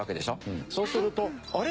そうするとあれ？